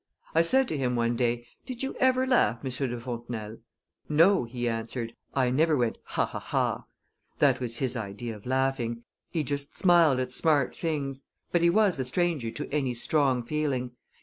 "I said to him one day, 'Did you ever laugh, M. de Fontenelle?' 'No,' he answered; 'I never went ha! ha! ha!' That was his idea of laughing; he just smiled at smart things, but he was a stranger to any strong feeling.